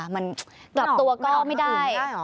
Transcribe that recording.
มันกลับตัวก็ไม่ได้